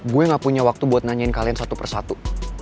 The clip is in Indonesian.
gue gak punya waktu buat nanyain kalian satu persatu